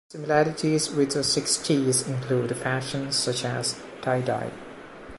Similarities with the Sixties included fashions such as Tie-dye.